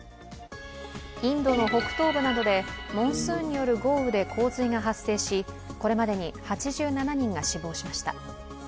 インドの北東部などでモンスーンによる豪雨で洪水が発生しこれまで８７人が死亡しました。